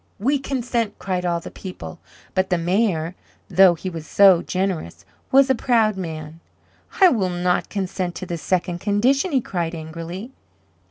"We consent," cried all the people; but the Mayor, though he was so generous, was a proud man. "I will not consent to the second condition," he cried angrily.